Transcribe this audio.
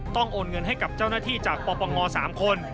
โอนเงินให้กับเจ้าหน้าที่จากปปง๓คน